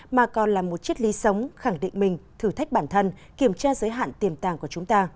mà còn là một chiếc lý sống khẳng định mình thử thách bản thân kiểm tra giới hạn tiềm tàng của chúng ta